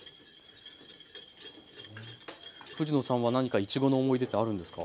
藤野さんは何かいちごの思い出ってあるんですか？